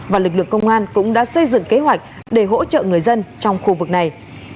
và lực lượng công an cũng đã xây dựng kế hoạch để hỗ trợ người dân trong khu vực này